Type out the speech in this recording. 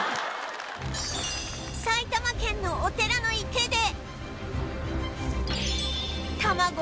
埼玉県のお寺の池で